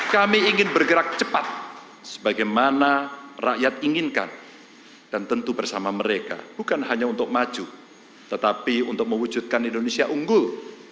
kami ingin bergerak cepat sebagaimana rakyat inginkan dan tentu bersama mereka bukan hanya untuk maju tetapi untuk mewujudkan indonesia unggul